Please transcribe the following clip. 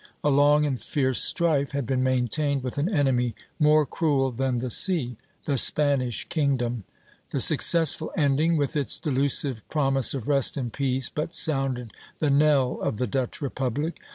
A long and fierce strife had been maintained with an enemy more cruel than the sea, the Spanish kingdom; the successful ending, with its delusive promise of rest and peace, but sounded the knell of the Dutch Republic.